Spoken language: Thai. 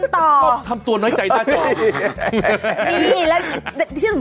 ต้องทำตัวน้อยใจตาจอม